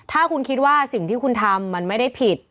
ถ้าคุณคิดว่าสิ่งที่คุณทำมันไม่ได้ผิด